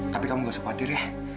tapi kamu gak usah khawatir